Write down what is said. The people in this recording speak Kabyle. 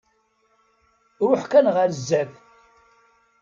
Ruḥ kan ɣer zzat.